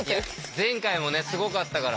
前回もすごかったから。